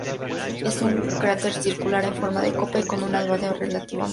Es un cráter circular, en forma de copa y con un albedo relativamente alto.